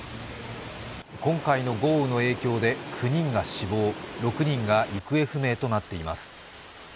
今回の豪雨の影響で９人が死亡、６人が行方不明となっています。